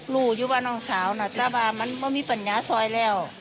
รู้อยู่ว่าน้องสาวน่ะตาบ้ามันไม่มีปัญญาซอยแล้ว